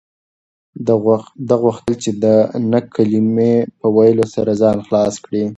ده غوښتل چې د نه کلمې په ویلو سره ځان خلاص کړي.